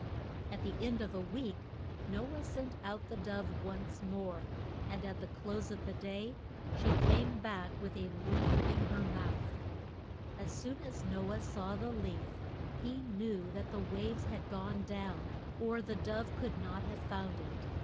At the end of a week No ah sent out the dove once more, and at the close of the day she came back with a leaf in her mouth. [Illustration: THE RE TURN OF THE DOVE.] As soon as No ah saw the leaf he knew that the waves had gone down or the dove could not have found it.